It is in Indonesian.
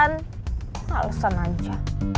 nggak lesen aja